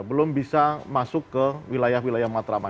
belum bisa masuk ke wilayah wilayah matraman